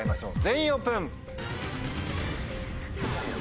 全員オープン！